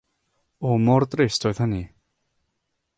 O mor drist oedd hynny.